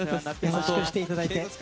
優しくしていただいて。